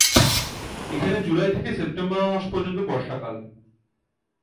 এখানে জুলাই থেকে সেপ্টেম্বর মাস পর্যন্ত বর্ষাকাল।